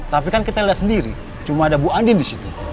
tapi kan kita lihat sendiri cuma ada bu andin di situ